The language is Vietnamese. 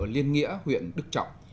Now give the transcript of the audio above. liên nghĩa huyện đức trọng